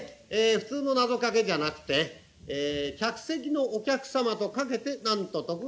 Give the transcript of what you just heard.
普通のなぞかけじゃなくて「客席のお客様と掛けて何と解く」。